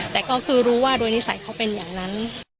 แต่ก็คือรู้ว่าโดยนิสัยเขาเป็นอย่างนั้น